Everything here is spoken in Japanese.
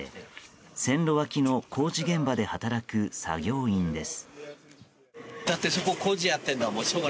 線路脇の工事現場で働く作業員です。